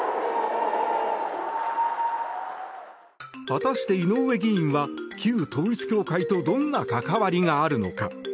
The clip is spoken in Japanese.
果たして井上議員は旧統一教会とどんな関わりがあるのか。